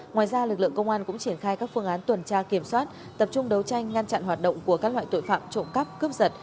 ngoài ra lực lượng công an cũng triển khai các phương án tuần tra kiểm soát tập trung đấu tranh ngăn chặn hoạt động của các loại tội phạm trộm cắp cướp giật